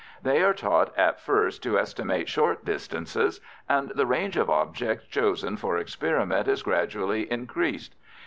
They are taught at first to estimate short distances, and the range of objects chosen for experiment is gradually increased.